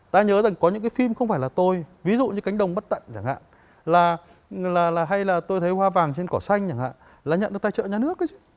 ta nhớ rằng có những cái phim không phải là tôi ví dụ như cánh đồng bất tận chẳng hạn là hay là tôi thấy hoa vàng trên cỏ xanh chẳng hạn là nhận được tài trợ nhà nước ấy